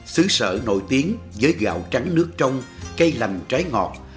xứ sở nổi tiếng với gạo trắng nước trong cây lành trái ngọt